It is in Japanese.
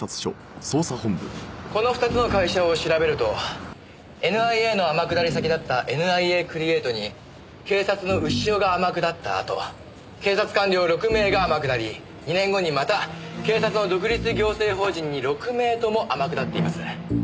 この２つの会社を調べるとＮＩＡの天下り先だったＮＩＡクリエイトに警察の潮が天下ったあと警察官僚６名が天下り２年後にまた警察の独立行政法人に６名とも天下っています。